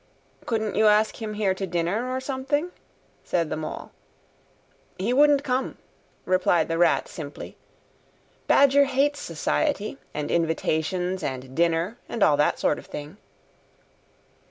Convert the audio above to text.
"Couldn't you ask him here dinner or something?" said the Mole. "He wouldn't come," replied the Rat simply. "Badger hates Society, and invitations, and dinner, and all that sort of thing."